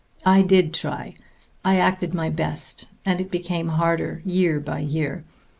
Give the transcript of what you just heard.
I did try. I acted my best. And it became harder year by year....